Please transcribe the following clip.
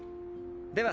では。